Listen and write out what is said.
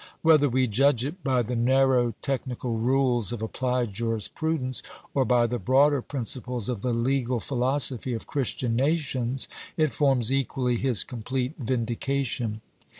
Whether we judge it by the narrow technical rules of applied jurisprudence, or by the broader pnnciples of the legal philosophy of Christian nations, it forms equally his complete vindication.